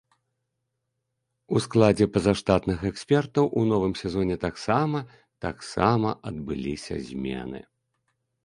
У складзе пазаштатных экспертаў у новым сезоне таксама таксама адбыліся змены.